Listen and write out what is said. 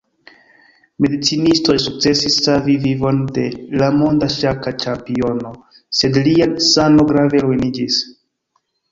Medicinistoj sukcesis savi vivon de la monda ŝaka ĉampiono, sed lia sano grave ruiniĝis.